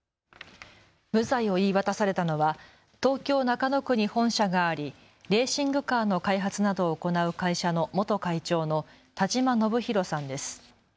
無罪を言い渡されたのは東京中野区に本社がありレーシングカーの開発などを行う会社の元会長の田嶋伸博さんです。